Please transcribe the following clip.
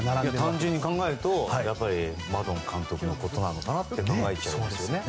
単純に考えるとマドン監督のことなのかなと思っちゃいますよね。